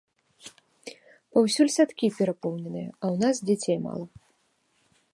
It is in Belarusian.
Паўсюль садкі перапоўненыя, а ў нас дзяцей мала.